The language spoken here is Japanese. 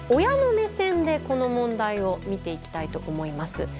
親の目線でこの問題を見ていきたいと思います。